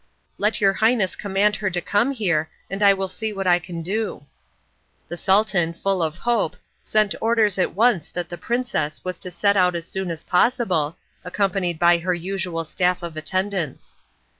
"Let your highness command her to come here, and I will see what I can do." The Sultan, full of hope, sent orders at once that the princess was to set out as soon as possible, accompanied by her usual staff of attendants.